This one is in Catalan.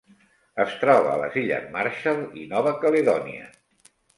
Es troba a les Illes Marshall i Nova Caledònia.